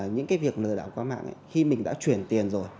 những cái việc lừa đảo qua mạng khi mình đã chuyển tiền rồi